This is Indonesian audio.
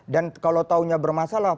dan kalau taunya bermasalah